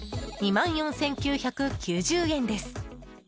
２万４９９０円です。